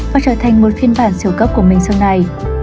và trở thành một phiên bản triều cấp của mình sau này